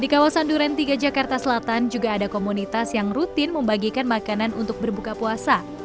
di kawasan duren tiga jakarta selatan juga ada komunitas yang rutin membagikan makanan untuk berbuka puasa